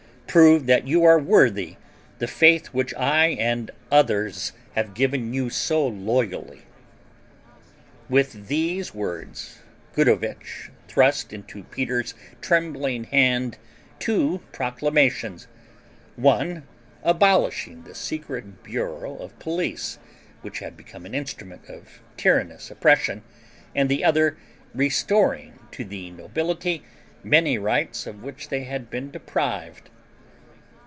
Prove that you are worthy of the faith which I and others have given you so loyally!" With these words Gudovitch thrust into Peter's trembling hand two proclamations, one abolishing the secret bureau of police, which had become an instrument of tyrannous oppression, and the other restoring to the nobility many rights of which they had been deprived.